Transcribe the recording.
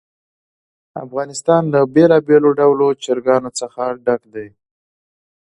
افغانستان له بېلابېلو ډولو چرګانو څخه ډک دی.